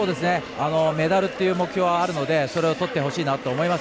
メダルという目標はあるのでとってほしいなと思います。